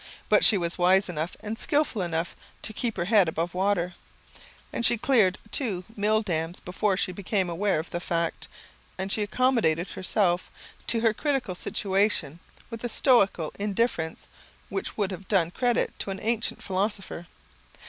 But she was wise enough and skilful enough to keep her head above water, and she cleared two mill dams before she became aware of the fact; and she accommodated herself to her critical situation with a stoical indifference which would have done credit to an ancient philosopher.